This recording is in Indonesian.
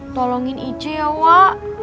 tolongin ica ya wak